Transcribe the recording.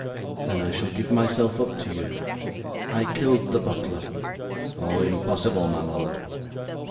'Then I shall give myself up to you. I killed the butler.' 'Oh, impossible, my lord!'